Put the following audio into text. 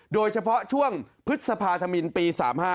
โดยเฉพาะช่วงพฤษภาธมินปี๓๕